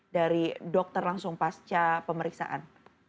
dari dokter langsung pasca pemeriksaan